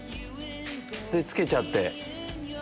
でつけちゃって。